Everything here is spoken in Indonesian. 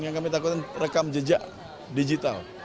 yang kami takutkan rekam jejak digital